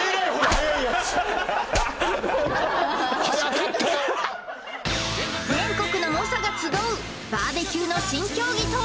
早かったな全国の猛者が集うバーベキューの新競技とは？